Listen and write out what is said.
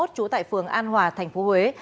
trú tại phường an hòa thành phố huế